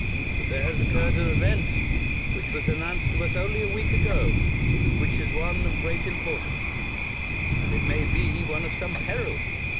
But there has occurred an event which was announced to us only a week ago, which is one of great importance, and it may be one of some peril.